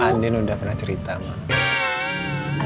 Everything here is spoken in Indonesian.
andi udah pernah cerita mama